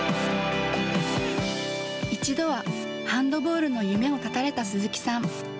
一度はハンドボールの夢を断たれた鈴木さん。